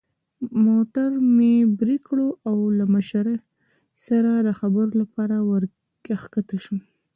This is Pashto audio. موټر مې برېک کړ او له مشرې سره د خبرو لپاره ور کښته شوم.